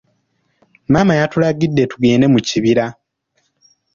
Maama yatulagidde tugende mu kibira.